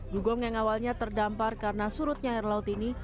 dugong yang awalnya terdampar karena surutnya air laut ini